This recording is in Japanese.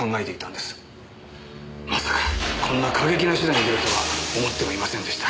まさかこんな過激な手段に出るとは思ってもいませんでした。